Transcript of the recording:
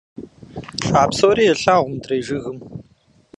А псори елъагъу мыдрей жыгым.